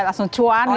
langsung cuan gitu ya